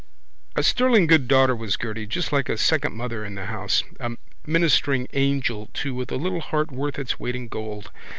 A sterling good daughter was Gerty just like a second mother in the house, a ministering angel too with a little heart worth its weight in gold.